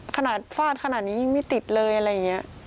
ขนาดฟาดขนาดนี้ยังไม่ติดเลยอะไรอย่างนี้